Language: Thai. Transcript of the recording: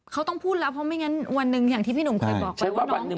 เขาต้องพูดแล้วเพราะไม่งั้นวันหนึ่งอย่างที่พี่หนุ่มเคยบอกไปว่าน้อง